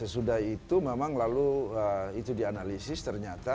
nah sesudah itu memang lalu itu dianalisis ternyata